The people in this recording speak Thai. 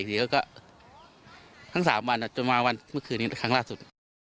ทีนี้ก็ทั้ง๓วันจนมาวันเมื่อคืนนี้ครั้งล่าสุด